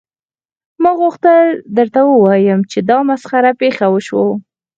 ما غوښتل درته ووایم چې دا مسخره پیښه وشوه